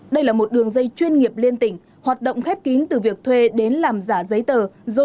đây là một đường dây chuyên nghiệp liên tỉnh hoạt động khép kín từ việc thuê đến làm giả giấy tờ